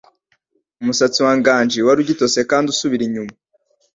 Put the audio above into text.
Umusatsi wa Nganji wari ugitose kandi usubira inyuma.